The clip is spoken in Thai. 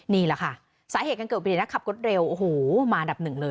นี่แหละค่ะสาเหตุการเกิดอุบัติเหตุนะขับรถเร็วโอ้โหมาอันดับหนึ่งเลย